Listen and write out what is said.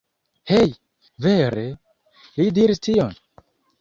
Hej? Vere? Li diris tion?